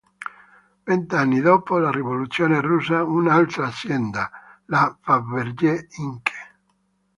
Vent'anni dopo la rivoluzione russa, un'altra azienda, la "Fabergé Inc.